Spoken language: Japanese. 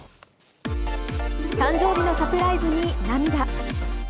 誕生日のサプライズに涙。